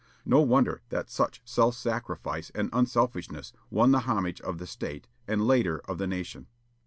No wonder that such self sacrifice and unselfishness won the homage of the State, and later of the nation.